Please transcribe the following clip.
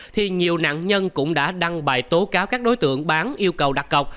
thì nhiều nạn nhân cũng đã đăng bài tố cáo các đối tượng bán yêu cầu đặt cọc